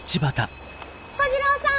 小次郎さん